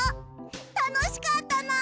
たのしかったな！